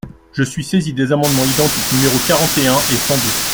Je suis saisie des amendements identiques numéros quarante et un et cent deux.